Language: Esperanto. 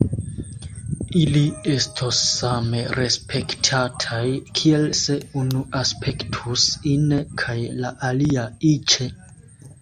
Ili estos same respektataj kiel se unu aspektus ine kaj la alia iĉe.